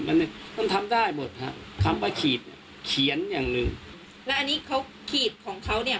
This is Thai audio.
มันมันทำได้หมดฮะคำว่าขีดเขียนอย่างหนึ่งแล้วอันนี้เขาขีดของเขาเนี่ย